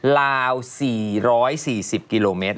ลาว๔๔๐กิโลเมตร